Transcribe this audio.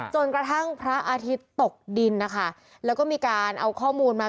กระทั่งพระอาทิตย์ตกดินนะคะแล้วก็มีการเอาข้อมูลมา